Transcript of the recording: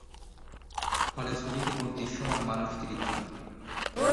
ফলে ছবিতে মোট দৃশ্যমান মানুষ ত্রিশ জন।